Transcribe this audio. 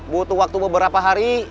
butuh waktu beberapa hari